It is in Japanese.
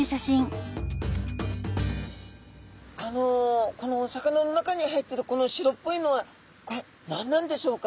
あのこのお魚の中に入ってるこの白っぽいのはこれ何なんでしょうか？